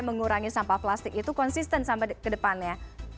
mengurangi sampah plastik itu konsisten sampai ke depannya